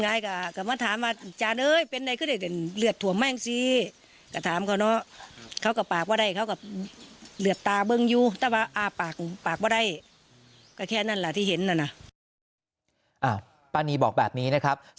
ป้านีบอกแบบนี้นะครับ